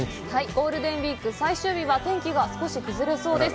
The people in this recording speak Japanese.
ゴールデンウイーク最終日は天気が少し崩れそうです。